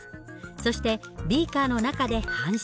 そしてビーカーの中で反射。